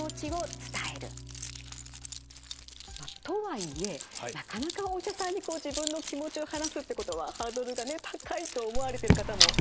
とはいえなかなかお医者さんに自分の気持ちを話すってことはハードルがね高いと思われてる方も多いようなんです。